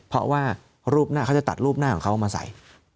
เพราะว่าเขาจะตัดรูปหน้าของเขามาใส่